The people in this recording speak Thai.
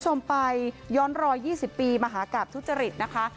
คุณผู้ชมไปย้อนรอย๒๐ปีมหากราบทุจริตนะคะ